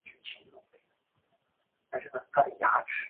他获得指派参选奥姆斯克。